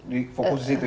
di fokus disitu ya